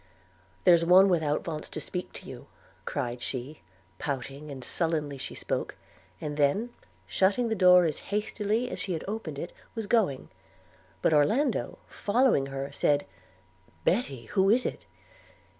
'There's one without vants to speak to you,' cried she: pouting and sullenly she spoke; and then, shutting the door as hastily as she had opened it, was going: but Orlando, following her, said, 'Betty! who is it?